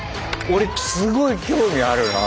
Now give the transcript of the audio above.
俺すごい興味あるな。